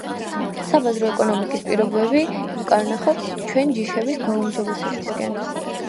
საბაზრო ეკონომიკის პირობები, გვკარნახობს ჩვენ ჯიშების გაუმჯობესებისკენ.